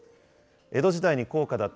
江戸時代に高価だった